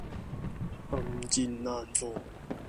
暗箭難防